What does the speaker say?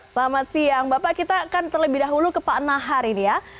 selamat siang bapak kita akan terlebih dahulu ke pak nahar ini ya